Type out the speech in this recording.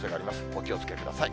お気をつけください。